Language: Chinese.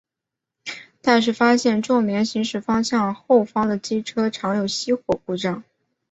但是发现重联行驶方向后方的机车常有熄火故障。